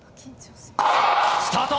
スタート。